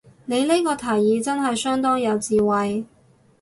你呢個提議真係相當有智慧